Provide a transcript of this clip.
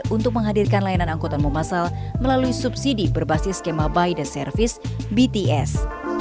untuk menghadirkan layanan angkutan umum asal melalui subsidi berbasis skema by the service bts